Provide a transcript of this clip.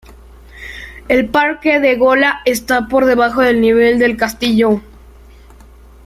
El parque de Gola está por debajo del nivel del castillo.